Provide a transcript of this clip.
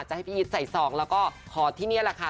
จะให้พี่อีทใส่ซองแล้วก็ขอที่นี่แหละค่ะ